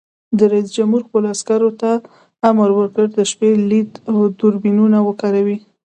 رئیس جمهور خپلو عسکرو ته امر وکړ؛ د شپې لید دوربینونه وکاروئ!